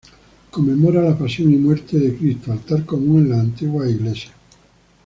Conmemora la Pasión y Muerte de Cristo, altar común en las antiguas iglesias.